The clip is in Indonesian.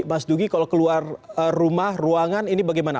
mas dugi kalau keluar rumah ruangan ini bagaimana